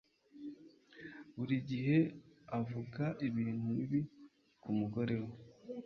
buri gihe avuga ibintu bibi ku mugore we